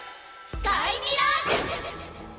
スカイミラージュ！